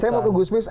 saya mau ke gusmis